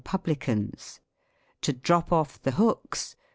Publicans. To drop off the hooks.